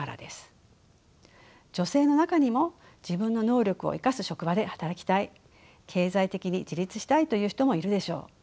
女性の中にも自分の能力を生かす職場で働きたい経済的に自立したいという人もいるでしょう。